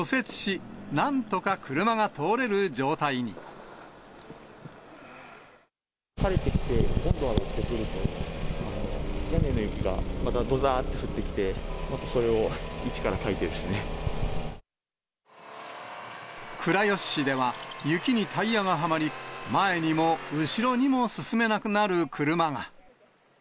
除雪し、晴れてきて、温度が上がってくると、屋根の雪がまたどざーって降ってきて、またそれを一からかいてで倉吉市では、雪にタイヤがはまり、前にも後ろにも進めなくなる車が。